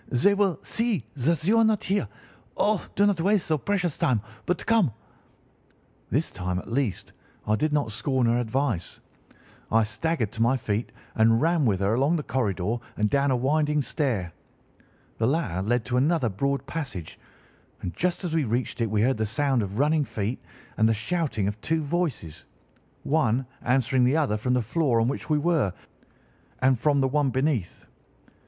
They will see that you are not there. Oh, do not waste the so precious time, but come!' "This time, at least, I did not scorn her advice. I staggered to my feet and ran with her along the corridor and down a winding stair. The latter led to another broad passage, and just as we reached it we heard the sound of running feet and the shouting of two voices, one answering the other from the floor on which we were and from the one beneath.